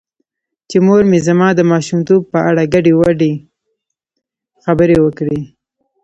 چې مور مې زما د ماشومتوب په اړه ګډې وګډې خبرې وکړې .